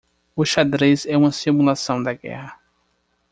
O xadrez é uma simulação da guerra.